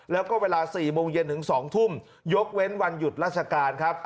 แล้วก็เวลา๔โมงเย็นถึง๒ทุ่มยกเว้นวันหยุดราชการครับ